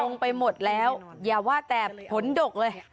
ลงไปหมดแล้วอย่าว่าแต่ผลดกเลย